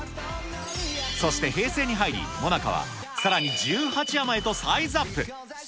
そして平成に入り、モナカはさらに１８山へとサイズアップ。